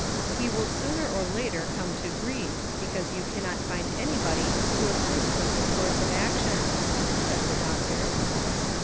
He will sooner or later come to grief, because you cannot find anybody who ap proves of his course of action," said the doctor.